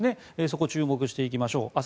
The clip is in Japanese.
そこに注目していきましょう。